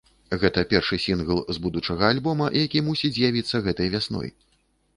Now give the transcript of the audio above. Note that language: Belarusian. Гэта першы сінгл з будучага альбома, які мусіць з'явіцца гэтай вясной.